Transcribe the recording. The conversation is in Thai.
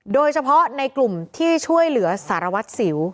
โดยเฉพาะในกลุ่มที่ช่วยเหลือสารวัตรสิว